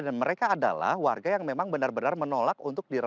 dan mereka adalah warga yang memang benar benar berhubungan dengan kondisi ini